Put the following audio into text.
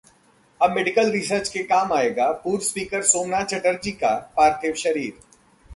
अब medical research के काम आएगा पूर्व स्पीकर सोमनाथ चटर्जी का पार्थिव शरीर